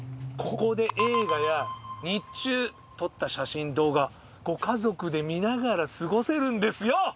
ここで映画や日中撮った写真・動画ご家族で観ながら過ごせるんですよ！